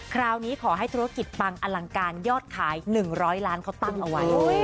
คราวนี้ขอให้ธุรกิจปังอลังการยอดขาย๑๐๐ล้านเขาตั้งเอาไว้